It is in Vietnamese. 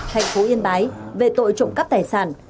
thành phố yên bái về tội trộm cắp tài sản